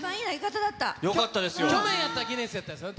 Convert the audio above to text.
去年やったらギネスやったんですよね。